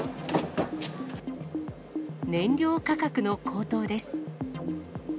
燃料価格の高騰です。